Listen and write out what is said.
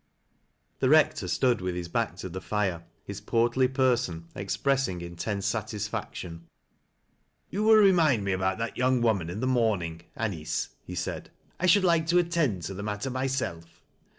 The Rector stood with his back to the fire, his portlj person expressing intense satisfaction. " You will remin i me about that young woman in the morning, Anice," he said. " I should like to attend to the matter myself.